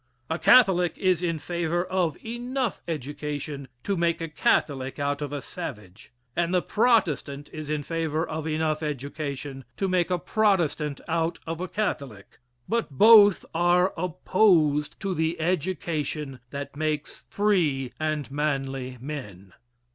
A Catholic is in favor of enough education to make a Catholic out of a savage, and the Protestant is in favor of enough education to make a Protestant out of a Catholic, but both are opposed to the education that makes free and manly men.